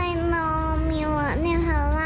แต่น้ำเสียงหนูนี้นะเฟะทุกคำ